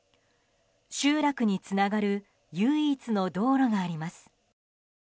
集落につながる唯一の道路があります。